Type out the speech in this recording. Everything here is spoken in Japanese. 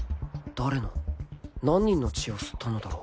誰の何人の血を吸ったのだろう